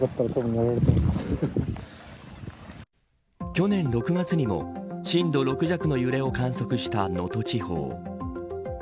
去年６月にも震度６弱の揺れを観測した能登地方。